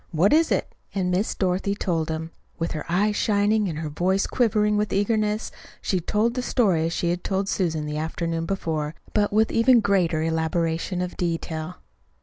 What is it?" And Miss Dorothy told him. With her eyes shining, and her voice quivering with eagerness, she told the story as she had told it to Susan the afternoon before, but with even greater elaboration of detail.